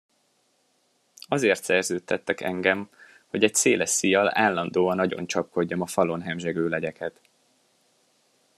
Azért szerződtettek engem, hogy egy széles szíjjal állandóan agyoncsapkodjam a falon hemzsegő legyeket.